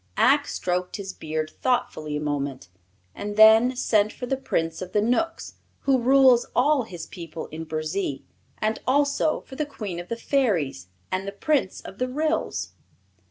Ak stroked his beard thoughtfully a moment, and then sent for the Prince of the Knooks, who rules all his people in Burzee, and also for the Queen of the Fairies and the Prince of the Ryls.